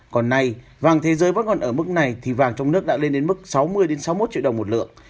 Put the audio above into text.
còn nay vàng thế giới vẫn còn ở mức này thì vàng trong nước đã lên đến mức sáu mươi sáu mươi một triệu đồng một lượng